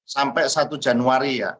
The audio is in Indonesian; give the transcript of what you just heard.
sampai satu januari ya